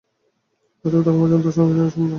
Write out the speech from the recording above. তথাপি তখন পর্যন্ত, দর্শনক্রিয়া সম্পূর্ণ হয় না।